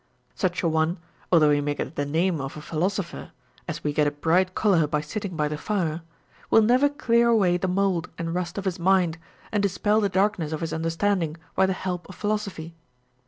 Such a one, although he may get the name of a philo sopher, as we get a bright color by sitting by the fire, Avill never clear away the mould and rust of his mind, and dispel the darkness of his understanding by the help of philosophy.